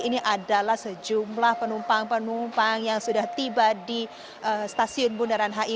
ini adalah sejumlah penumpang penumpang yang sudah tiba di stasiun bundaran hi